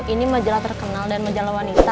ini majalah terkenal dan majalah wanita